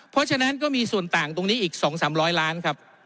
เพราะฉะนั้นก็มีส่วนต่างตรงนี้อีก๒๓๐๐ล้านครับ